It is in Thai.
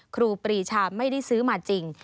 ครูปรีชาไม่ได้ซื้อมาจริง